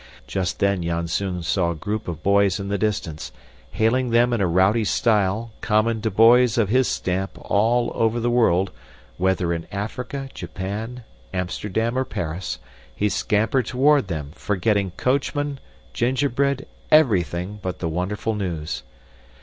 Just then Janzoon saw a group of boys in the distance. Hailing them in a rowdy style, common to boys of his stamp all over the world, weather in Africa, Japan, Amsterdam, or Paris, he scampered toward them, forgetting coachman, gingerbread, everything but the wonderful news.